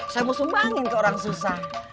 saya mau sumbangin ke orang susah